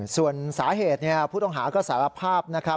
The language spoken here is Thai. ส่วนสาเหตุผู้ต้องหาก็สารภาพนะครับ